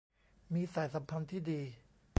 มีสายสัมพันธ์ที่ดี